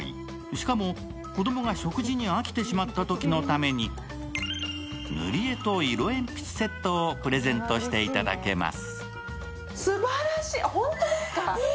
しかも子供が食事に飽きてしまったときのためにぬり絵と色鉛筆セットをプレゼントしていただけます。